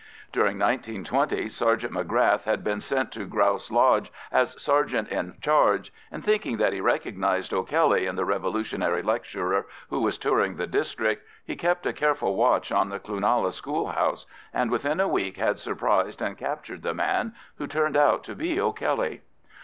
During 1920 Sergeant M'Grath had been sent to Grouse Lodge as sergeant in charge, and thinking that he recognised O'Kelly in the revolutionary lecturer who was touring the district, he kept a careful watch on the Cloonalla school house, and within a week had surprised and captured the man, who turned out to be O'Kelly.